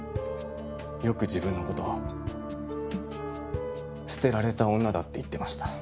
よく自分の事を「捨てられた女」だって言ってました。